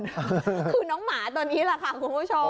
คือน้องหมาตัวนี้แหละค่ะคุณผู้ชม